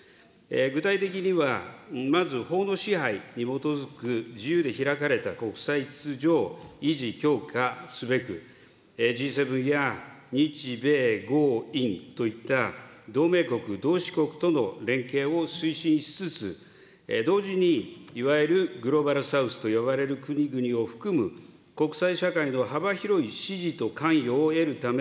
具体的には、まず法の支配に基づく自由で開かれた国際秩序を維持・強化すべく、Ｇ７や日米豪印といった同盟国、同志国との連携を推進しつつ、同時にいわゆるグローバル・サウスと呼ばれる国々を含む、国際社会の幅広い支持と関与を得るため、